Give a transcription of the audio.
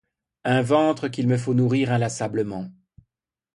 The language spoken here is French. Un ventre qu’il me faut nourrir inlassablement.